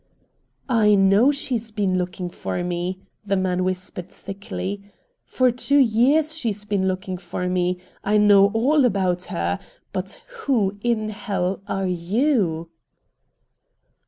"I know she's been looking for me," the man whispered thickly. "For two years she's been looking for me. I know all about HER! But, WHO IN HELL ARE YOU?"